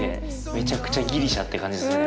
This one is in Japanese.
めちゃくちゃギリシャって感じするね。